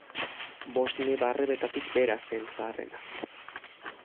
Bost neba-arrebetatik bera zen zaharrena.